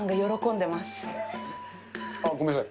あっ、ごめんなさい。